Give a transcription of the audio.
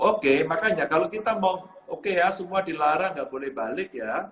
oke makanya kalau kita mau oke ya semua dilarang nggak boleh balik ya